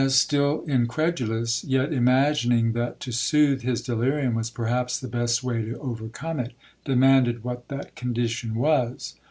'Ines, still incredulous, yet imagining that to soothe his delirium was perhaps the best way to overcome it, demanded what that condition was.